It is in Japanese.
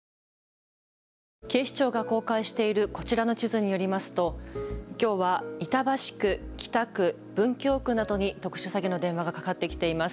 警視庁が公開しているこちらの地図によりますときょうは板橋区、北区、文京区などに特殊詐欺の電話がかかってきています。